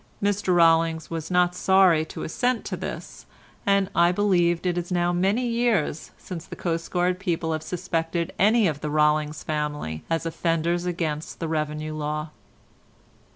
Mr Rollings was not sorry to assent to this, and I believe it is now many years since the coastguard people have suspected any of the Rollings family as offenders against the revenue law.